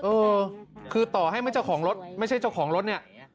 เออคือต่อให้ไม่เจ้าของรถไม่ใช่เจ้าของรถเนี่ย